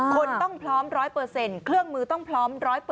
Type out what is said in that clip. คนต้องพร้อม๑๐๐เครื่องมือต้องพร้อม๑๐๐